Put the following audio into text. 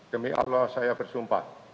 demi allah saya bersumpah